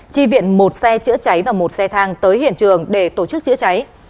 chi viện một xe chữa cháy và một xe thang tới hiện trường để tổ chức chữa cháy